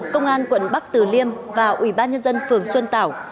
công an quận bắc từ liêm và ủy ban nhân dân phường xuân tảo